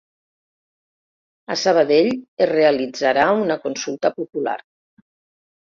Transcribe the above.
A Sabadell es realitzarà una consulta popular